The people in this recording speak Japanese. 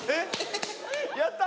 やった。